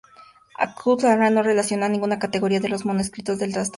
Kurt Aland no la relacionó a ninguna Categoría de los manuscritos del Nuevo Testamento.